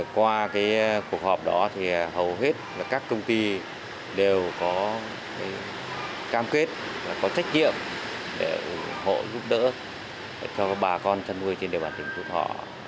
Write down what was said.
qua cuộc họp đó thì hầu hết các công ty đều có cam kết có trách nhiệm để ủng hộ giúp đỡ cho bà con chăn nuôi trên địa bàn tỉnh phú thọ